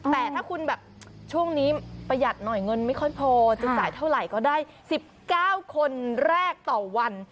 แต่ถ้าคุณแบบช่วงนี้ประหยัดหน่อยเงินไม่ค่อยพอจะจ่ายเท่าไหร่ก็ได้๑๙คนแรกต่อวัน